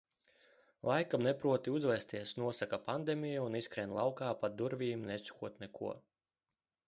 "Laikam neproti uzvesties," nosaka pandēmija un izskrien laukā pa durvīm nesakot neko.